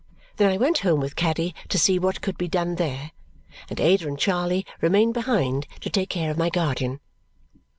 Then I went home with Caddy to see what could be done there, and Ada and Charley remained behind to take care of my guardian.